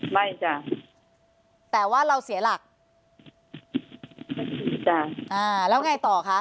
จ้ะแต่ว่าเราเสียหลักไม่เสียจ้ะอ่าแล้วไงต่อคะ